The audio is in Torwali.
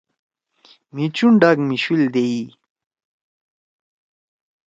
مھی چُن ڈاک می شُول دیئی۔